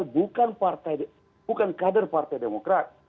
bukan kader partai demokrat